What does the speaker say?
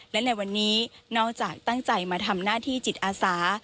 และในวันนี้นอกจากตั้งใจมาทำหน้าที่จิตอาสา